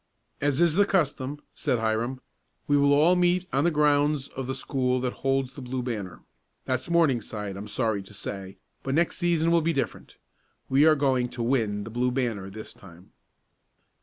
"As is the custom," said Hiram, "we will all meet on the grounds of the school that holds the Blue Banner that's Morningside, I'm sorry to say, but next season will be different. We are going to win the Blue Banner this time."